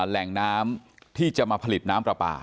แหล่งน้ำที่จะมาผลิตน้ำปลาปลา